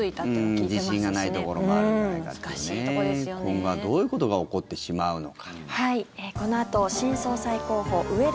今後はどういうことが起こってしまうのか。